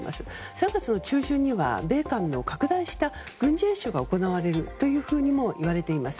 ３月の中旬には米韓の拡大した軍事演習が行われるというふうにもいわれています。